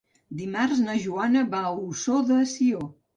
Dimarts na Joana va a Ossó de Sió.